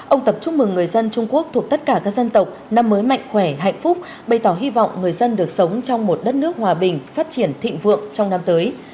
ông tập chúc mừng người dân trung quốc thuộc tất cả các dân tộc năm mới mạnh khỏe hạnh phúc bày tỏ hy vọng người dân được sống trong một đất nước hòa bình phát triển thịnh vượng trong năm tới